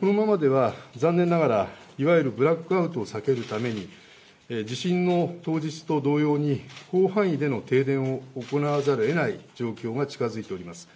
このままでは残念ながらいわゆるブラックアウトを避けるために地震の当日と同様に広範囲での停電を行わざるをえない状況が近づいております。